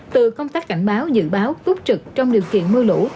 từ công tác cảnh báo dự báo tốt trực trong điều kiện mưa lũ